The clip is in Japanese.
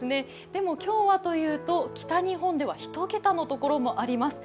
でも今日はというと、北日本では１桁の所もあります。